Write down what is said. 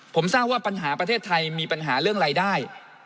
ผมทราบว่าปัญหาประเทศไทยมีปัญหาเรื่องรายได้